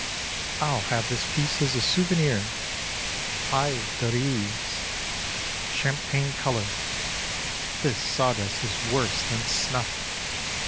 I'll have this piece as a souvenir — paille de riz — champagne colour. This sawdust is worse than snufT.